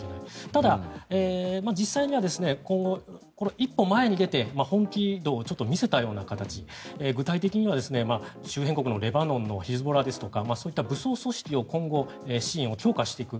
ただ、実際には一歩前に出て本気度を見せたような形具体的には周辺国のレバノンのヒズボラですとかそういった武装組織を今後、支援を強化していく。